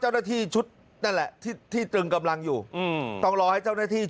หาวหาวหาวหาวหาวหาวหาวหาวหาวหาว